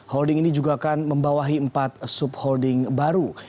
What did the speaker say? holding ini juga akan membawahi empat subholding baru